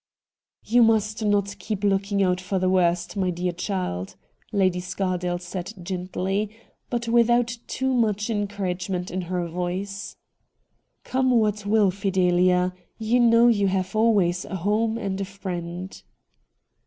'You must not keep looking out for the worst, my dear child,' Lady Scardale said gently, but without too much encouragement FIDELIA LOCKE 157 in her voice. ' Come what will, Fidelia, you know you have always a home and a friend.'